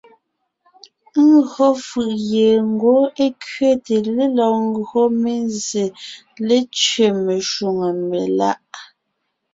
Ńgÿo fʉ̀ʼ gie ngwɔ́ é kẅéte lélɔg ńgÿo mé zsé létẅé meshwóŋè meláʼ.